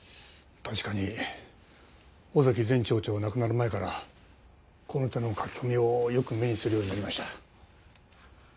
確かに尾崎前町長が亡くなる前からこの手の書き込みをよく目にするようになりました。